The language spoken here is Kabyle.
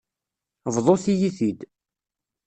Bḍut-iyi-t-id.